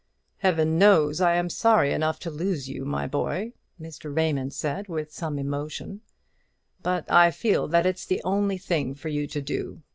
"Heaven knows I am sorry enough to lose you, my boy," Mr. Raymond said with some emotion; "but I feel that it's the only thing for you to do.